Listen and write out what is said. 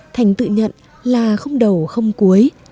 thành tự nhận là không đầu không cuối